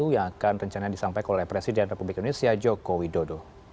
yang akan rencana disampaikan oleh presiden republik indonesia joko widodo